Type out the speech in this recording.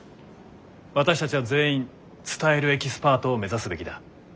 私たちは全員伝えるエキスパートを目指すべきだ。